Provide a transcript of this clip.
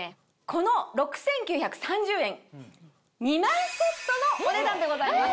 この６９３０円２枚セットのお値段でございます。